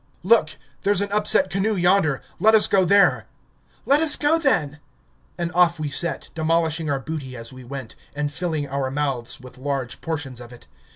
"Look! there's an upset canoe yonder ... let us go there." "Let us go then!" And off we set, demolishing our booty as we went, and filling our mouths with large portions of it...